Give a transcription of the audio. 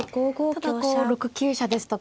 ただこう６九飛車ですとか。